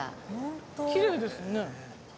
きれいですね。